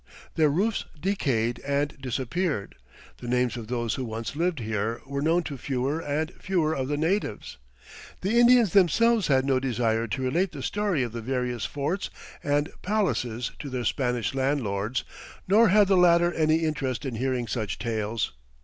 Their roofs decayed and disappeared. The names of those who once lived here were known to fewer and fewer of the natives. The Indians themselves had no desire to relate the story of the various forts and palaces to their Spanish landlords, nor had the latter any interest in hearing such tales.